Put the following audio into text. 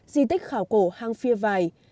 di tích khảo cổ hang phia vài